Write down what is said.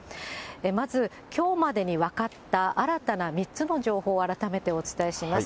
まず、きょうまでに分かった新たな３つの情報を改めてお伝えします。